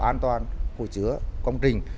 an toàn hồ chứa công trình